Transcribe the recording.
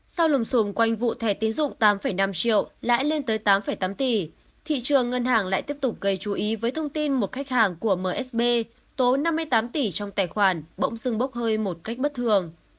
sau lùm xùm quanh vụ thẻ tiến dụng tám năm triệu lãi lên tới tám tám tỷ thị trường ngân hàng lại tiếp tục gây chú ý với thông tin một khách hàng của msb tố năm mươi tám tỷ trong tài khoản bỗng dưng bốc hơi một cách bất thường